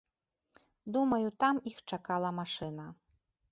Думаю, там іх чакала машына.